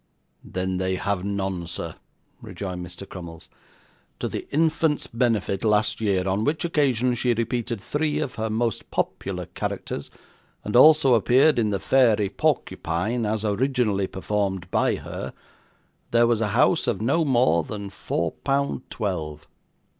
'Then they have none, sir,' rejoined Mr. Crummles. 'To the infant's benefit, last year, on which occasion she repeated three of her most popular characters, and also appeared in the Fairy Porcupine, as originally performed by her, there was a house of no more than four pound twelve.